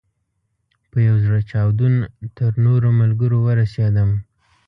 په یو زړه چاودون تر نورو ملګرو ورسېدم.